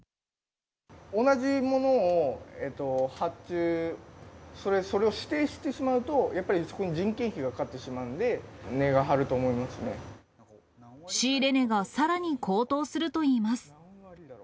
同じものを発注、それを指定してしまうと、やっぱりそこに人件費がかかってしまうので、仕入れ値がさらに高騰するといいます。